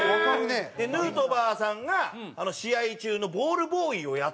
ヌートバーさんが試合中のボールボーイをやったりとか。